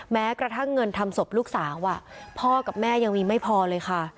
แม้กระทั่งเงินทำศพลูกสาวพ่อกับแม่ยังมีไม่พอเลยค่ะ